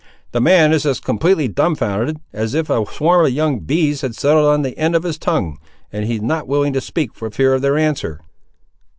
"The man is as completely dumb founded, as if a swarm of young bees had settled on the end of his tongue, and he not willing to speak, for fear of their answer."